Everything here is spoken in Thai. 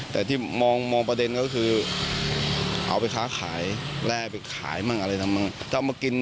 แต่ที่มองประเด็นก็คือเอาไปค้าขายแร่ไปขายมั่งอะไรทำบ้างจะเอามากิน